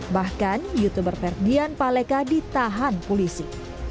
bahkan youtuber ferdian paleka ditahan polisi